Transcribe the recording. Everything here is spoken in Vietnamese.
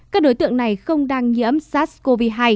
các đối tượng này không đang nhiễm sars cov hai